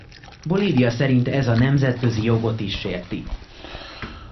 Bolívia szerint ez a nemzetközi jogot is sérti.